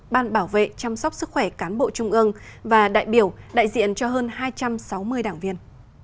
ban bảo vệ chăm sóc sức khỏe cán bộ trung ương và đại biểu đại diện cho hơn hai trăm sáu mươi đảng viên